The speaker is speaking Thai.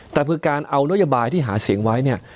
แต่คือการเอานโยบายที่หาเสียงไว้เนี่ย